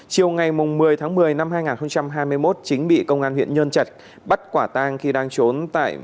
chiều ngày một mươi tháng một mươi năm hai nghìn hai mươi một chính bị công an huyện nhơn trạch bắt quả tang khi đang trốn tại